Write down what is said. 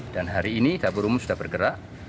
dan hari ini dapur umum sudah bergerak